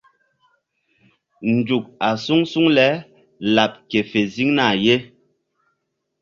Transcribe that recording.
Nzuk a suŋ suŋ le laɓ ke fe ziŋ na ye.